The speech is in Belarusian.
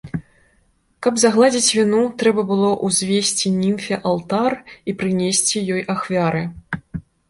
Каб загладзіць віну, трэба было ўзвесці німфе алтар і прынесці ёй ахвяры.